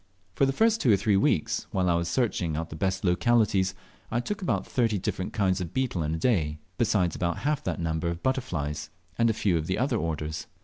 For the first two or three weeks, while I was searching out the best localities, I took about 30 different kinds of beetles n day, besides about half that number of butterflies, and a few of the other orders.